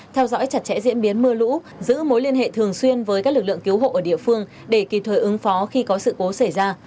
theo dõi chặt chẽ diễn biến mưa lũ giữ mối liên hệ thường xuyên với các lực lượng cứu hộ ở địa phương để kịp thời ứng phó khi có sự cố xảy ra